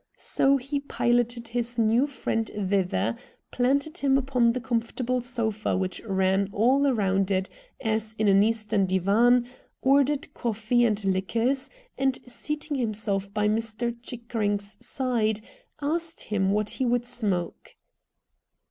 So he piloted his new friend thither, planted him upon the comfortable sofa which ran all round it as in an eastern divan, ordered coffee and liqueurs, and seating himself by Mr. Chickering's side, asked him what he would smoke.